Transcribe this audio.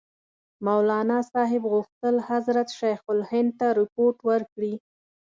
مولناصاحب غوښتل حضرت شیخ الهند ته رپوټ ورکړي.